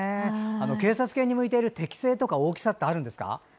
警察犬に向いている適性とか大きさってあるんですか。